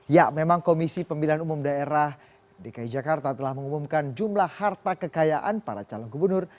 ya memang komisi pemilihan umum daerah dki jakarta telah mengumumkan jumlah harta kekayaan para calon gubernur